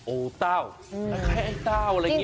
โอเต้าแค่ไอ้เต้าอะไรแบบนี้